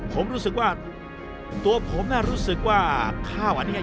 ผมรู้สึกว่าตัวผมน่ะรู้สึกว่าข้าวอันนี้